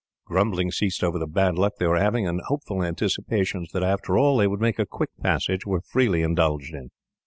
Grumbling ceased over the bad luck they were having, and hopeful anticipations that, after all, they would make a quick passage were freely indulged in.